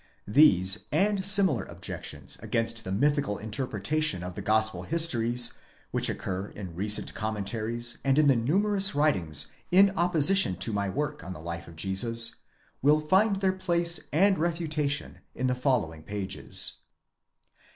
These, and similar objections against the mythical interpretation of the gospel histories, which occur in recent commentaries and in the numerous. writings in opposition to my work on the life of Jesus, will find their place and refutation in the following pages.